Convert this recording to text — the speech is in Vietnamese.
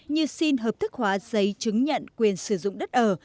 như xin hợp thức hóa giấy chứng nhận quyền sử dụng đất ở